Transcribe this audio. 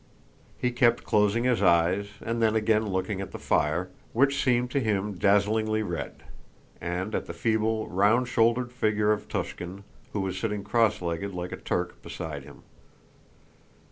He kept closing his eyes and then again looking at the fire, which seemed to him dazzlingly red, and at the feeble, round shouldered figure of Túshin who was sitting cross legged like a Turk beside him.